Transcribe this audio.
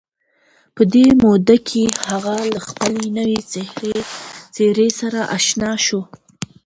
په دې موده کې هغه له خپلې نوې څېرې سره اشنا شو